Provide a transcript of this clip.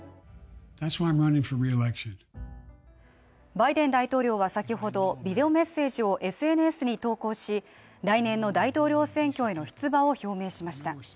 バイデン大統領は先ほどビデオメッセージをＳＮＳに投稿し、来年の大統領選挙への出馬を表明しました。